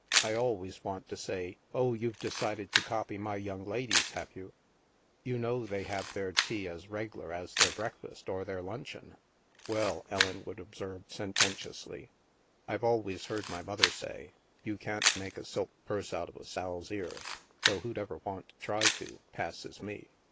I always want to say, * Oh, you've decided to copy my young la dies, have you? You know they have their tea as reg'lar as their breakfast or their luncheon.' >» STILL WATERS S Well," Ellen would observe sententiously, *' I've always heard my mother say, ' You can't make a silk purse out of a sow's ear,' — though who'd ever want to try to, passes me.